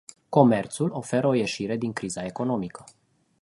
Comerțul oferă o ieșire din criza economică.